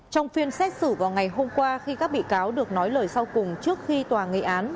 trong phiên xét xử vào ngày hôm qua khi các bị cáo được nói lời sau cùng trước khi tòa nghị án